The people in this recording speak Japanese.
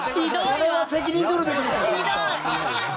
それは責任取るべきです！